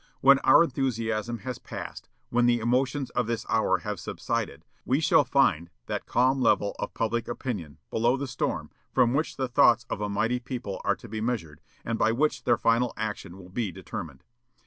When our enthusiasm has passed, when the emotions of this hour have subsided, we shall find that calm level of public opinion, below the storm, from which the thoughts of a mighty people are to be measured, and by which their final action will be determined.